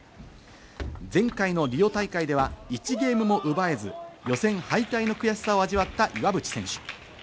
前回のリオ大会では１ゲームも奪えず予選敗退の悔しさを味わった岩渕選手。